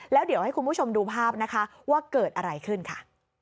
แล้วเดี๋ยวให้คุณผู้ชมดูภาพนะคะว่าเกิดอะไรขึ้นค่ะ